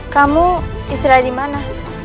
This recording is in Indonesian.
kamu istirahat dimana